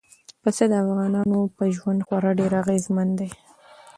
پسه د افغانانو په ژوند خورا ډېر اغېزمن دی.